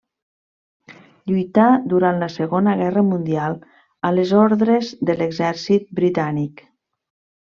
Lluità durant la Segona Guerra Mundial a les ordres de l'exèrcit britànic.